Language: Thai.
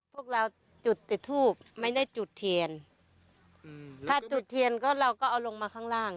พวกเราจุดติดทูบไม่ได้จุดเทียนอืมถ้าจุดเทียนก็เราก็เอาลงมาข้างล่าง